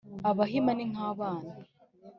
abahima ni nk’abana,